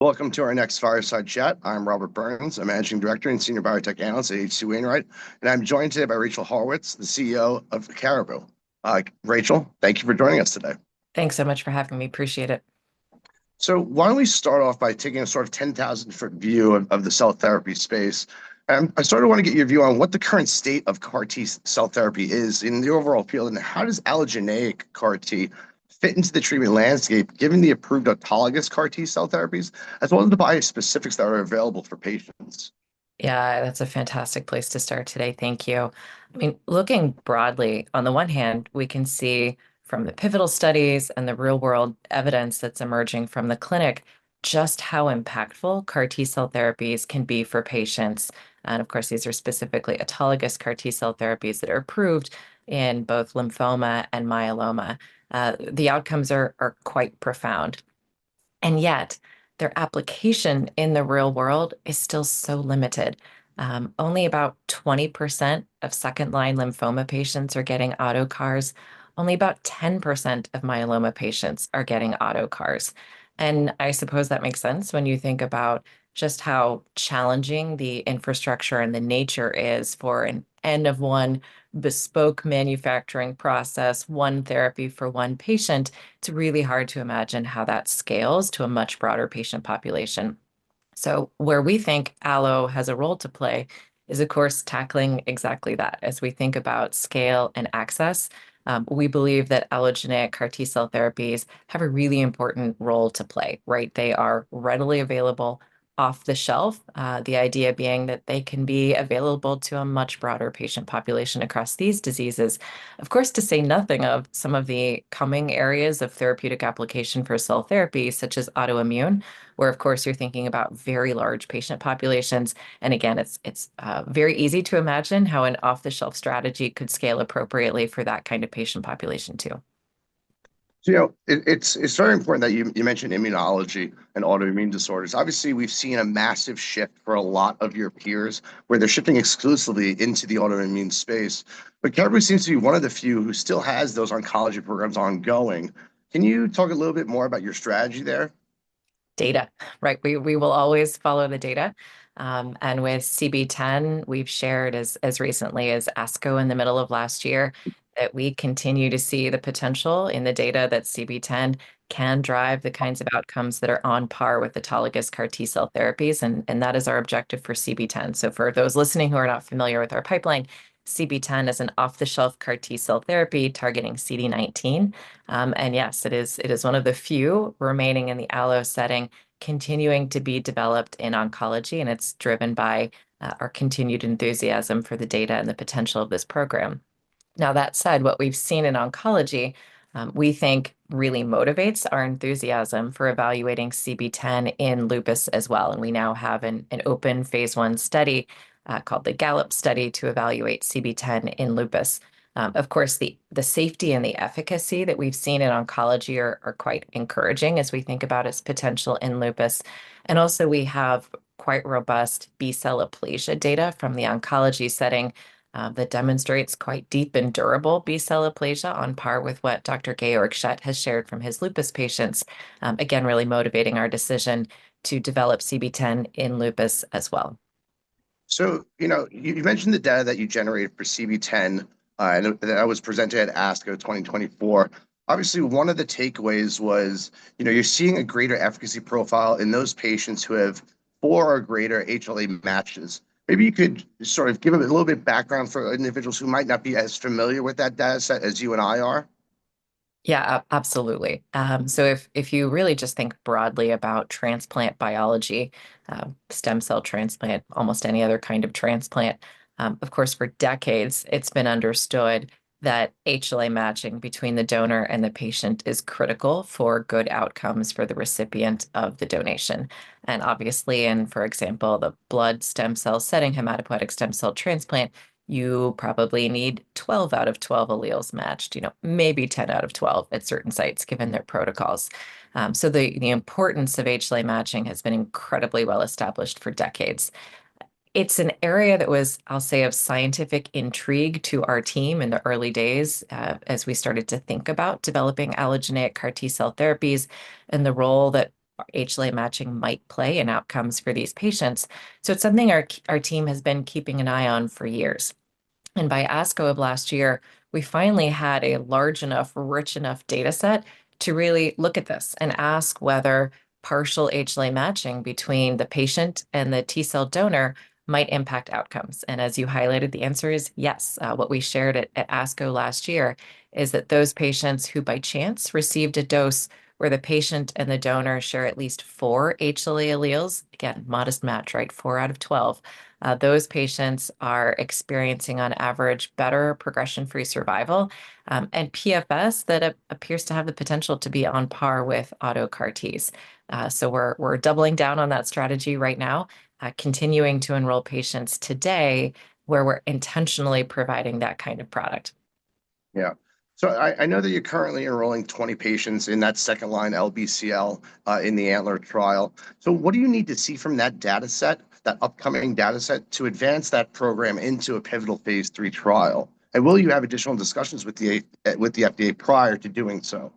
Welcome to our next Fireside Chat. I'm Robert Burns, Managing Director and Senior Biotech Analyst at H.C. Wainwright, and I'm joined today by Rachel Haurwitz, the CEO of Caribou. Rachel, thank you for joining us today. Thanks so much for having me. Appreciate it. Why don't we start off by taking a sort of 10,000-foot view of the cell therapy space? I sort of want to get your view on what the current state of CAR-T cell therapy is in the overall field, and how does allogeneic CAR-T fit into the treatment landscape, given the approved autologous CAR-T cell therapies, as well as the bispecifics that are available for patients? Yeah, that's a fantastic place to start today. Thank you. I mean, looking broadly, on the one hand, we can see from the pivotal studies and the real-world evidence that's emerging from the clinic just how impactful CAR-T cell therapies can be for patients. Of course, these are specifically autologous CAR-T cell therapies that are approved in both lymphoma and myeloma. The outcomes are quite profound. Yet, their application in the real world is still so limited. Only about 20% of second-line lymphoma patients are getting auto CARs. Only about 10% of myeloma patients are getting auto CARs. I suppose that makes sense when you think about just how challenging the infrastructure and the nature is for an N-of-1 bespoke manufacturing process, one therapy for one patient. It's really hard to imagine how that scales to a much broader patient population. Where we think allo has a role to play is, of course, tackling exactly that. As we think about scale and access, we believe that allogeneic CAR-T cell therapies have a really important role to play, right? They are readily available off the shelf, the idea being that they can be available to a much broader patient population across these diseases. Of course, to say nothing of some of the coming areas of therapeutic application for cell therapy, such as autoimmune, where, of course, you're thinking about very large patient populations. Again, it's very easy to imagine how an off-the-shelf strategy could scale appropriately for that kind of patient population, too. It's very important that you mentioned immunology and autoimmune disorders. Obviously, we've seen a massive shift for a lot of your peers where they're shifting exclusively into the autoimmune space. Caribou seems to be one of the few who still has those oncology programs ongoing. Can you talk a little bit more about your strategy there? Data, right? We will always follow the data. With CB-010, we've shared as recently as ASCO in the middle of last year that we continue to see the potential in the data that CB-010 can drive the kinds of outcomes that are on par with autologous CAR-T cell therapies, and that is our objective for CB-010. For those listening who are not familiar with our pipeline, CB-010 is an off-the-shelf CAR-T cell therapy targeting CD19. Yes, it is one of the few remaining in the allogeneic setting continuing to be developed in oncology, and it's driven by our continued enthusiasm for the data and the potential of this program. That said, what we've seen in oncology, we think, really motivates our enthusiasm for evaluating CB-010 in lupus as well. We now have an open phase I study called the GALLOP study to evaluate CB-010 in lupus. Of course, the safety and the efficacy that we've seen in oncology are quite encouraging as we think about its potential in lupus. We also have quite robust B-cell aplasia data from the oncology setting that demonstrates quite deep and durable B-cell aplasia on par with what Dr. Georg Schett has shared from his lupus patients, again, really motivating our decision to develop CB-010 in lupus as well. You mentioned the data that you generated for CB-010 that was presented at ASCO 2024. Obviously, one of the takeaways was you're seeing a greater efficacy profile in those patients who have four or greater HLA matches. Maybe you could sort of give a little bit of background for individuals who might not be as familiar with that data set as you and I are. Yeah, absolutely. If you really just think broadly about transplant biology, stem cell transplant, almost any other kind of transplant, of course, for decades, it's been understood that HLA matching between the donor and the patient is critical for good outcomes for the recipient of the donation. Obviously, in, for example, the blood stem cell setting, hematopoietic stem cell transplant, you probably need 12 out of 12 alleles matched, maybe 10 out of 12 at certain sites given their protocols. The importance of HLA matching has been incredibly well established for decades. It's an area that was, I'll say, of scientific intrigue to our team in the early days as we started to think about developing allogeneic CAR-T cell therapies and the role that HLA matching might play in outcomes for these patients. It's something our team has been keeping an eye on for years. By ASCO of last year, we finally had a large enough, rich enough data set to really look at this and ask whether partial HLA matching between the patient and the T cell donor might impact outcomes. As you highlighted, the answer is yes. What we shared at ASCO last year is that those patients who by chance received a dose where the patient and the donor share at least four HLA alleles, again, modest match, right, four out of 12, those patients are experiencing on average better progression-free survival and PFS that appears to have the potential to be on par with auto CAR-Ts. We are doubling down on that strategy right now, continuing to enroll patients today where we are intentionally providing that kind of product. Yeah. I know that you're currently enrolling 20 patients in that second-line LBCL in the ANTLER trial. What do you need to see from that data set, that upcoming data set, to advance that program into a pivotal phase three trial? Will you have additional discussions with the FDA prior to doing so?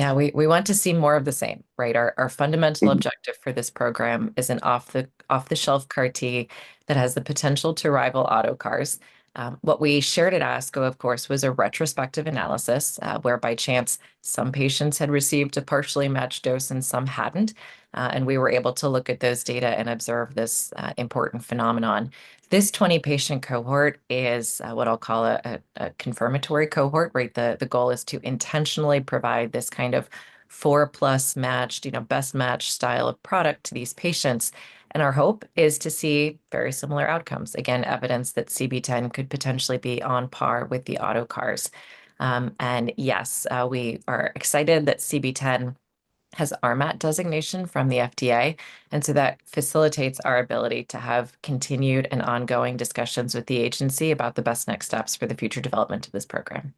Yeah, we want to see more of the same, right? Our fundamental objective for this program is an off-the-shelf CAR-T that has the potential to rival auto CARs. What we shared at ASCO, of course, was a retrospective analysis where by chance some patients had received a partially matched dose and some had not. We were able to look at those data and observe this important phenomenon. This 20-patient cohort is what I'll call a confirmatory cohort, right? The goal is to intentionally provide this kind of four-plus matched, best-matched style of product to these patients. Our hope is to see very similar outcomes, again, evidence that CB-010 could potentially be on par with the auto CARs. Yes, we are excited that CB-010 has RMAT designation from the FDA. That facilitates our ability to have continued and ongoing discussions with the agency about the best next steps for the future development of this program.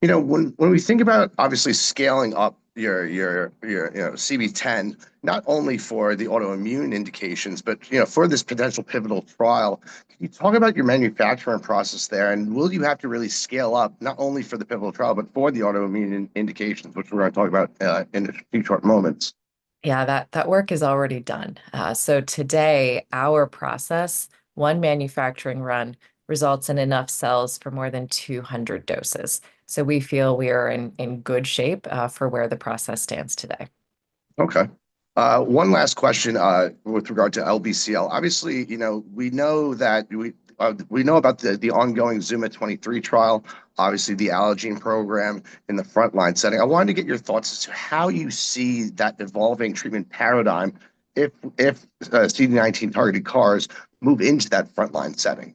When we think about obviously scaling up your CB-010, not only for the autoimmune indications, but for this potential pivotal trial, can you talk about your manufacturing process there? Will you have to really scale up not only for the pivotal trial, but for the autoimmune indications, which we're going to talk about in a few short moments? Yeah, that work is already done. Today, our process, one manufacturing run, results in enough cells for more than 200 doses. We feel we are in good shape for where the process stands today. Okay. One last question with regard to LBCL. Obviously, we know that we know about the ongoing ZUMA-23 trial, obviously the Allogene program in the frontline setting. I wanted to get your thoughts as to how you see that evolving treatment paradigm if CD19-targeted CARs move into that frontline setting.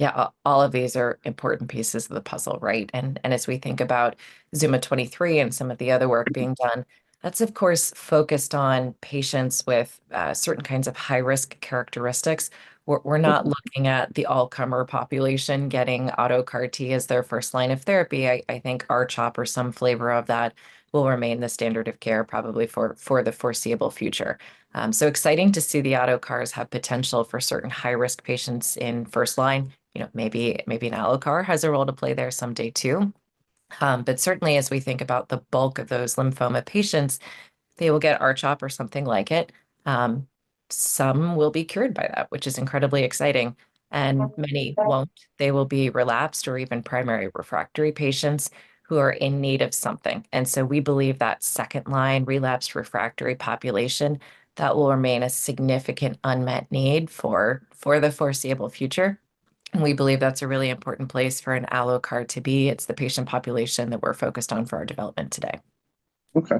Yeah, all of these are important pieces of the puzzle, right? As we think about ZUMA-23 and some of the other work being done, that's, of course, focused on patients with certain kinds of high-risk characteristics. We're not looking at the all-comer population getting auto CAR-T as their first line of therapy. I think R-CHOP or some flavor of that will remain the standard of care probably for the foreseeable future. It is exciting to see the auto CARs have potential for certain high-risk patients in first line. Maybe an allo CAR has a role to play there someday, too. Certainly, as we think about the bulk of those lymphoma patients, they will get R-CHOP or something like it. Some will be cured by that, which is incredibly exciting. Many won't. They will be relapsed or even primary refractory patients who are in need of something. We believe that second-line relapsed refractory population will remain a significant unmet need for the foreseeable future. We believe that's a really important place for an allo CAR-T to be. It's the patient population that we're focused on for our development today. Okay.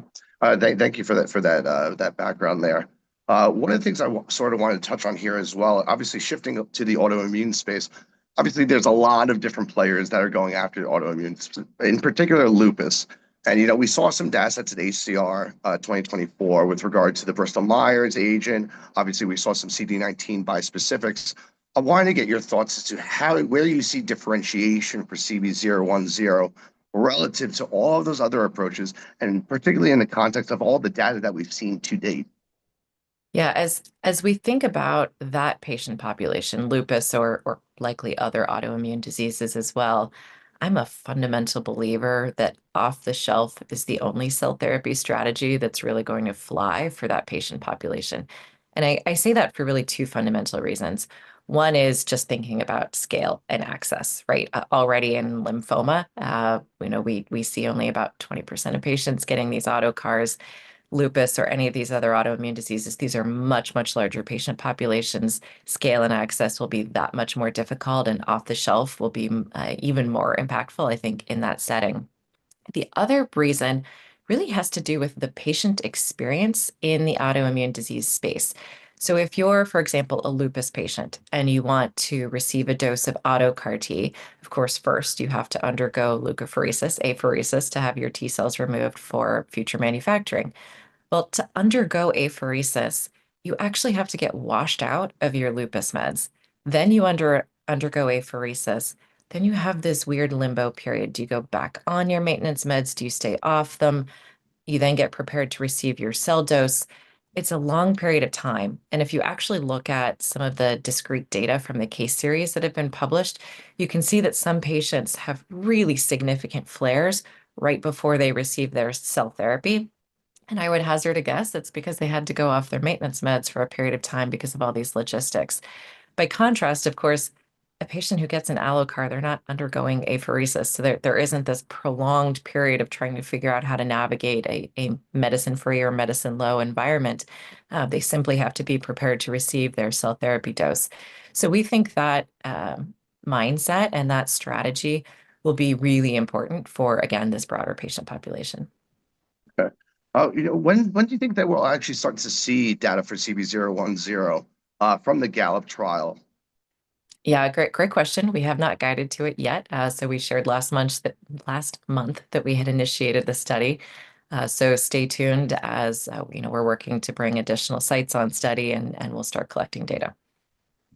Thank you for that background there. One of the things I sort of wanted to touch on here as well, obviously shifting to the autoimmune space, obviously there's a lot of different players that are going after autoimmune, in particular lupus. We saw some data sets at ACR 2024 with regard to the Bristol-Myers agent. Obviously, we saw some CD19 bispecifics. I wanted to get your thoughts as to where you see differentiation for CB-010 relative to all of those other approaches, and particularly in the context of all the data that we've seen to date. Yeah, as we think about that patient population, lupus or likely other autoimmune diseases as well, I'm a fundamental believer that off-the-shelf is the only cell therapy strategy that's really going to fly for that patient population. I say that for really two fundamental reasons. One is just thinking about scale and access, right? Already in lymphoma, we see only about 20% of patients getting these auto CARs. Lupus or any of these other autoimmune diseases, these are much, much larger patient populations. Scale and access will be that much more difficult, and off-the-shelf will be even more impactful, I think, in that setting. The other reason really has to do with the patient experience in the autoimmune disease space. If you're, for example, a lupus patient and you want to receive a dose of auto CAR-T, of course, first you have to undergo leukapheresis, apheresis to have your T cells removed for future manufacturing. To undergo apheresis, you actually have to get washed out of your lupus meds. You undergo apheresis. You have this weird limbo period. Do you go back on your maintenance meds? Do you stay off them? You then get prepared to receive your cell dose. It's a long period of time. If you actually look at some of the discrete data from the case series that have been published, you can see that some patients have really significant flares right before they receive their cell therapy. I would hazard a guess that's because they had to go off their maintenance meds for a period of time because of all these logistics. By contrast, of course, a patient who gets an allo CAR-T, they're not undergoing apheresis. There isn't this prolonged period of trying to figure out how to navigate a medicine-free or medicine-low environment. They simply have to be prepared to receive their cell therapy dose. We think that mindset and that strategy will be really important for, again, this broader patient population. Okay. When do you think that we'll actually start to see data for CB-010 from the GALLOP trial? Yeah, great question. We have not guided to it yet. We shared last month that we had initiated the study. Stay tuned as we're working to bring additional sites on study and we'll start collecting data.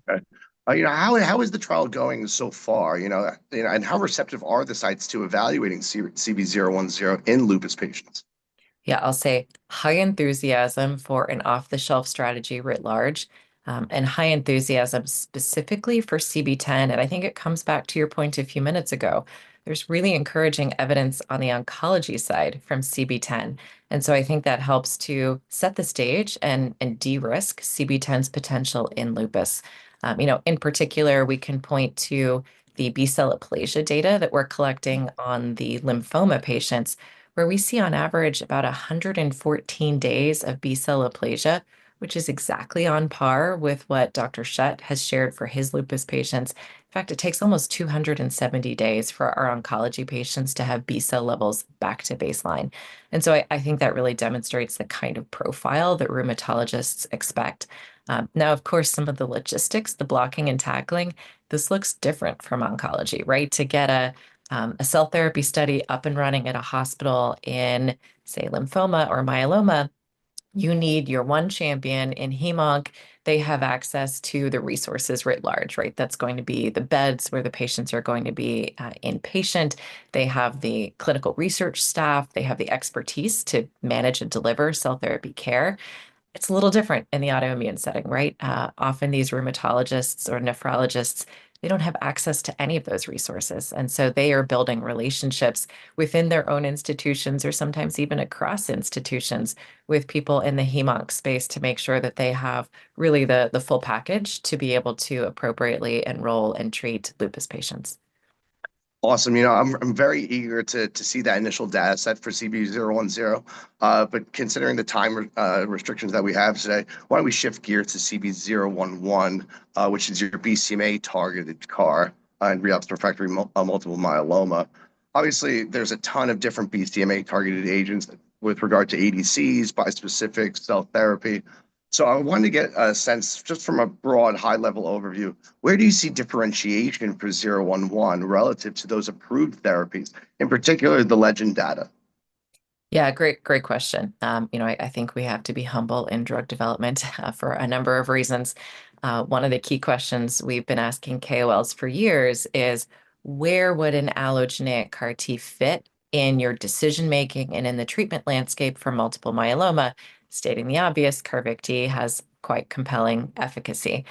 Okay. How is the trial going so far? How receptive are the sites to evaluating CB-010 in lupus patients? Yeah, I'll say high enthusiasm for an off-the-shelf strategy writ large and high enthusiasm specifically for CB-010. I think it comes back to your point a few minutes ago. There's really encouraging evidence on the oncology side from CB-010. I think that helps to set the stage and de-risk CB-010's potential in lupus. In particular, we can point to the B-cell aplasia data that we're collecting on the lymphoma patients, where we see on average about 114 days of B-cell aplasia, which is exactly on par with what Dr. Schett has shared for his lupus patients. In fact, it takes almost 270 days for our oncology patients to have B-cell levels back to baseline. I think that really demonstrates the kind of profile that rheumatologists expect. Now, of course, some of the logistics, the blocking and tackling, this looks different from oncology, right? To get a cell therapy study up and running at a hospital in, say, lymphoma or myeloma, you need your one champion in Heme/Onc. They have access to the resources writ large, right? That is going to be the beds where the patients are going to be inpatient. They have the clinical research staff. They have the expertise to manage and deliver cell therapy care. It is a little different in the autoimmune setting, right? Often these rheumatologists or nephrologists, they do not have access to any of those resources. They are building relationships within their own institutions or sometimes even across institutions with people in the Heme/Onc space to make sure that they have really the full package to be able to appropriately enroll and treat lupus patients. Awesome. I'm very eager to see that initial data set for CB-010. Considering the time restrictions that we have today, why don't we shift gears to CB-011, which is your BCMA-targeted CAR in relapsed refractory multiple myeloma. Obviously, there's a ton of different BCMA-targeted agents with regard to ADCs, bispecifics, cell therapy. I wanted to get a sense just from a broad high-level overview, where do you see differentiation for 011 relative to those approved therapies, in particular the Legend data? Yeah, great question. I think we have to be humble in drug development for a number of reasons. One of the key questions we've been asking KOLs for years is, where would an allogeneic CAR-T fit in your decision-making and in the treatment landscape for multiple myeloma? Stating the obvious, CAR-T has quite compelling efficacy.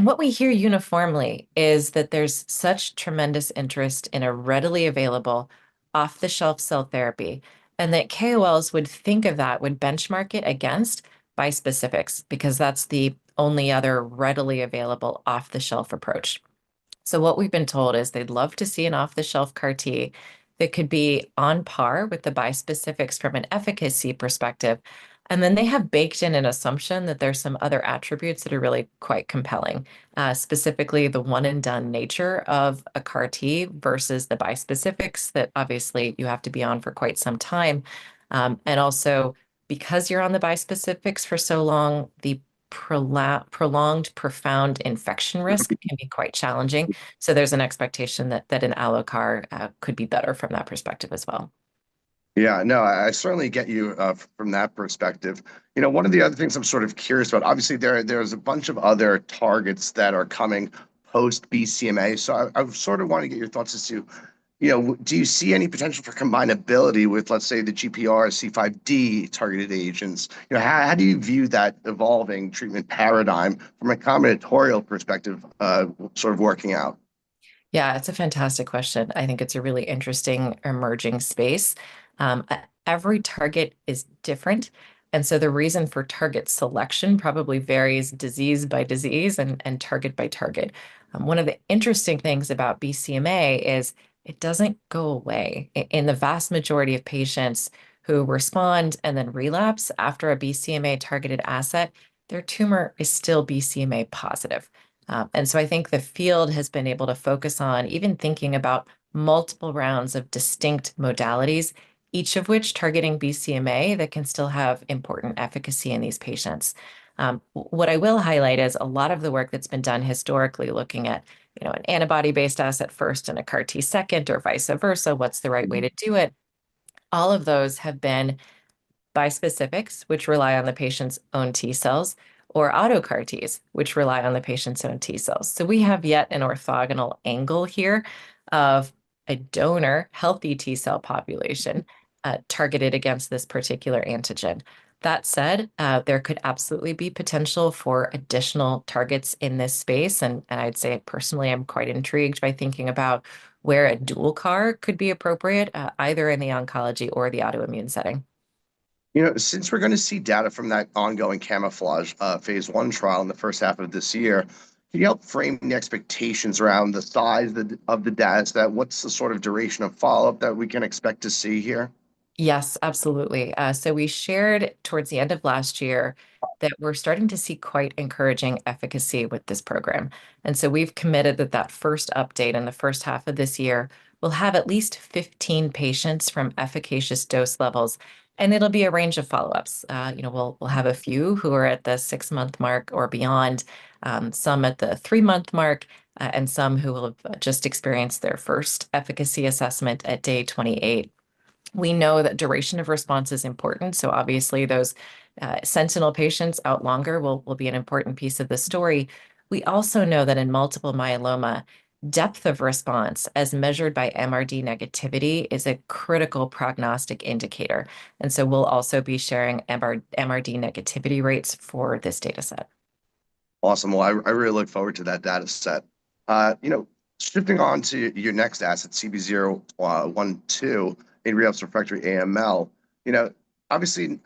What we hear uniformly is that there's such tremendous interest in a readily available off-the-shelf cell therapy and that KOLs would think of that, would benchmark it against bispecifics because that's the only other readily available off-the-shelf approach. What we've been told is they'd love to see an off-the-shelf CAR-T that could be on par with the bispecifics from an efficacy perspective. They have baked in an assumption that there's some other attributes that are really quite compelling, specifically the one-and-done nature of a CAR-T versus the bispecifics that obviously you have to be on for quite some time. Also, because you're on the bispecifics for so long, the prolonged profound infection risk can be quite challenging. There is an expectation that an allo CAR-T could be better from that perspective as well. Yeah, no, I certainly get you from that perspective. One of the other things I'm sort of curious about, obviously, there's a bunch of other targets that are coming post-BCMA. I sort of want to get your thoughts as to, do you see any potential for combinability with, let's say, the GPRC5D-targeted agents? How do you view that evolving treatment paradigm from a combinatorial perspective sort of working out? Yeah, it's a fantastic question. I think it's a really interesting emerging space. Every target is different. The reason for target selection probably varies disease by disease and target by target. One of the interesting things about BCMA is it doesn't go away. In the vast majority of patients who respond and then relapse after a BCMA-targeted asset, their tumor is still BCMA positive. I think the field has been able to focus on even thinking about multiple rounds of distinct modalities, each of which targeting BCMA that can still have important efficacy in these patients. What I will highlight is a lot of the work that's been done historically looking at an antibody-based asset first and a CAR-T second or vice versa, what's the right way to do it? All of those have been bispecifics, which rely on the patient's own T cells, or auto CAR-Ts, which rely on the patient's own T cells. We have yet an orthogonal angle here of a donor healthy T cell population targeted against this particular antigen. That said, there could absolutely be potential for additional targets in this space. I'd say personally, I'm quite intrigued by thinking about where a dual CAR could be appropriate, either in the oncology or the autoimmune setting. Since we're going to see data from that ongoing CaMMouflage Phase I trial in the first half of this year, can you help frame the expectations around the size of the data set? What's the sort of duration of follow-up that we can expect to see here? Yes, absolutely. We shared towards the end of last year that we're starting to see quite encouraging efficacy with this program. We have committed that the first update in the first half of this year will have at least 15 patients from efficacious dose levels. It will be a range of follow-ups. We will have a few who are at the six-month mark or beyond, some at the three-month mark, and some who will have just experienced their first efficacy assessment at day 28. We know that duration of response is important. Those sentinel patients out longer will be an important piece of the story. We also know that in multiple myeloma, depth of response as measured by MRD negativity is a critical prognostic indicator. We will also be sharing MRD negativity rates for this data set. Awesome. I really look forward to that data set. Shifting on to your next asset, CB-012 in relapsed refractory AML, obviously,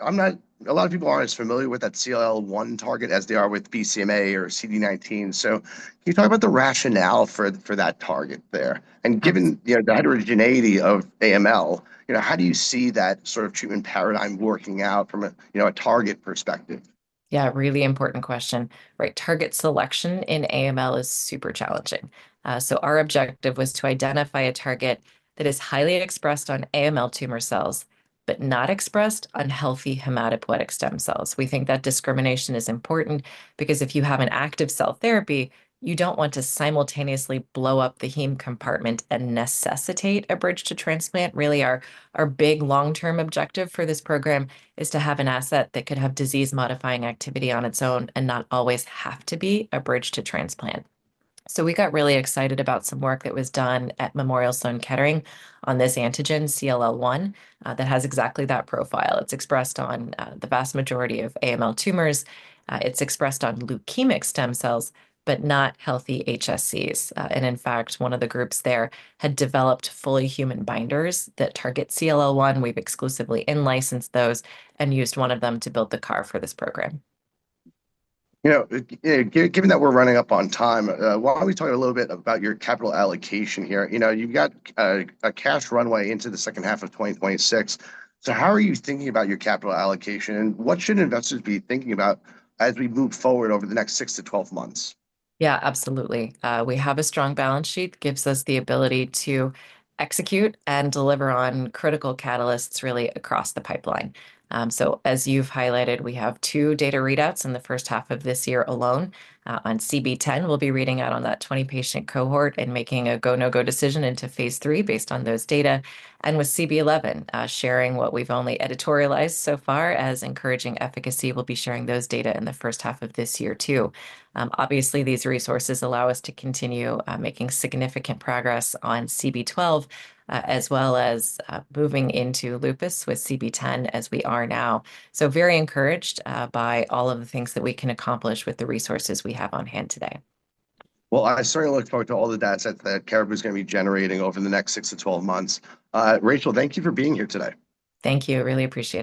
a lot of people aren't as familiar with that CLL-1 target as they are with BCMA or CD19. Can you talk about the rationale for that target there? Given the heterogeneity of AML, how do you see that sort of treatment paradigm working out from a target perspective? Yeah, really important question, right? Target selection in AML is super challenging. Our objective was to identify a target that is highly expressed on AML tumor cells, but not expressed on healthy hematopoietic stem cells. We think that discrimination is important because if you have an active cell therapy, you do not want to simultaneously blow up the heme compartment and necessitate a bridge to transplant. Really, our big long-term objective for this program is to have an asset that could have disease-modifying activity on its own and not always have to be a bridge to transplant. We got really excited about some work that was done at Memorial Sloan Kettering on this antigen, CLL-1, that has exactly that profile. It is expressed on the vast majority of AML tumors. It is expressed on leukemic stem cells, but not healthy HSCs. In fact, one of the groups there had developed fully human binders that target CLL-1. We've exclusively in-licensed those and used one of them to build the CAR for this program. Given that we're running up on time, why don't we talk a little bit about your capital allocation here? You've got a cash runway into the second half of 2026. How are you thinking about your capital allocation? What should investors be thinking about as we move forward over the next six to 12 months? Yeah, absolutely. We have a strong balance sheet that gives us the ability to execute and deliver on critical catalysts really across the pipeline. As you've highlighted, we have two data readouts in the first half of this year alone. On CB-010, we'll be reading out on that 20-patient cohort and making a go, no-go decision into phase three based on those data. With CB-011, sharing what we've only editorialized so far as encouraging efficacy, we'll be sharing those data in the first half of this year too. Obviously, these resources allow us to continue making significant progress on CB-012 as well as moving into lupus with CB-010 as we are now. Very encouraged by all of the things that we can accomplish with the resources we have on hand today. I certainly look forward to all the data set that Caribou is going to be generating over the next six to 12 months. Rachel, thank you for being here today. Thank you. Really appreciate it.